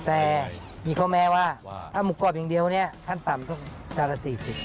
แต่มีความแม้ว่าถ้ามุกกรอบอย่างเดียวเนี่ยขั้นต่ำก็จะละสี่สิบ